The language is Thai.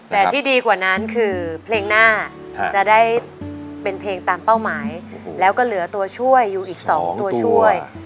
แต่ที่ดีกว่านั้นคือเพลงหน้าจะได้เป็นเพลงตามเป้าหมายแล้วก็เหลือตัวช่วยอยู่อีก๒ตัวช่วย